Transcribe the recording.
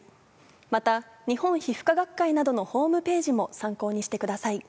また、日本皮膚科学会などのホームページも参考にしてください。